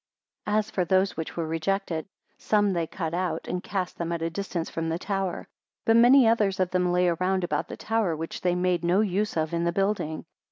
29 As for those which were rejected, some they cut out, and cast them at a distance from the tower; but many others of them lay round about the tower, which they made no use of in the building.